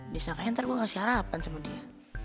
disangkanya nanti gue kasih harapan sama dia